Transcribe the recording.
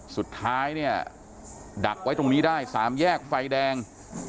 สุดท้ายเนี่ยดักไว้ตรงนี้ได้๓แยกไฟแดง